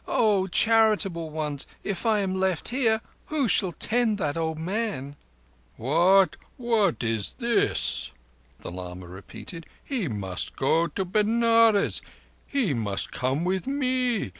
O charitable ones, if I am left here, who shall tend that old man?" "What—what is this?" the lama repeated. "He must go to Benares. He must come with me.